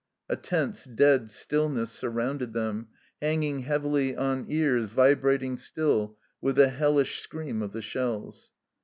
A tense dead stillness surrounded them, hanging heavily on ears vibrating still with the hellish scream of the shells.